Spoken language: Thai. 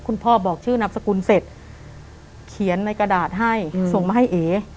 พ่อบอกชื่อนามสกุลเสร็จเขียนในกระดาษให้ส่งมาให้เอ